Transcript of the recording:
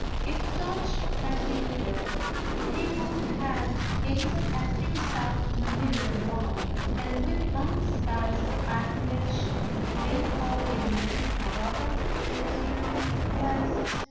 If Dodge had been a girl he would have gazed at him self in the mirror long and with undisguised admi ration ; being only a man, however, he merely glanced 236 A HALLOWE'EN PARTY.